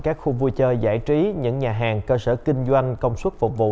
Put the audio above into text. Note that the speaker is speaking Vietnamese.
các khu vui chơi giải trí những nhà hàng cơ sở kinh doanh công suất phục vụ